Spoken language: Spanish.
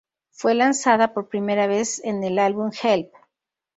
Fue lanzada por primera vez en el álbum Help!